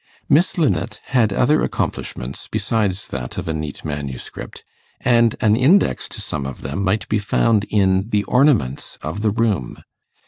Miss Linnet had other accomplishments besides that of a neat manuscript, and an index to some of them might be found in the ornaments of the room.